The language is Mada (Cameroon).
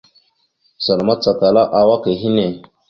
Zal macala awak a henne.